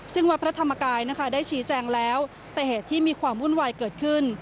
ซึ่งวัดพระธรรมกายนะคะได้ชี้แจงแล้วแต่เหตุที่มีความวุ่นวายเกิดขึ้น